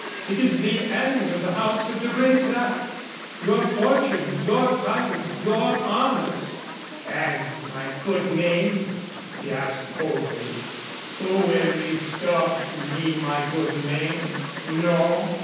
It is the end of the house of De Bresac. Your fortune, your titles, your honors " "And my good name?" he asked, coldly. "Who will restore to me my good name? No.